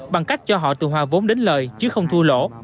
bằng cách cho họ từ hòa vốn đến lời chứ không thua lỗ